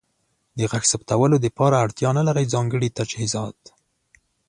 د غږ ثبتولو لپاره اړتیا نلرئ ځانګړې تجهیزات.